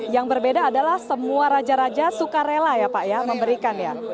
yang berbeda adalah semua raja raja suka rela ya pak ya memberikan ya